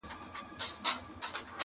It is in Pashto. o په لک ئې نه نيسي، په کک ئې ونيسي٫